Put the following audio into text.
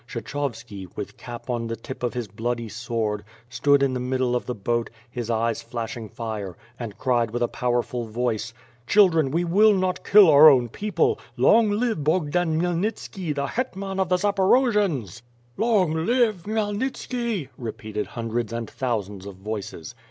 Kshechovski, with cap on the tip of his bloody sword, stood in the middle of the boat, his eyes flashing fire, and cried with a powerful voice: "( hildren, we will not kill our own people; long live Bog dan Khmyelnitski, the Hetman of tlie Zaporojians!" WITH FIRE AND 8W0RD. 167 "Long live Khmyelnitski!" repeated hundreds and thou sands of voices.